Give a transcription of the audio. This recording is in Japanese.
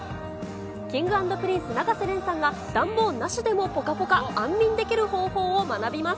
Ｋｉｎｇ＆Ｐｒｉｎｃｅ・永瀬廉さんが、暖房なしでもぽかぽか安眠できる方法を学びます。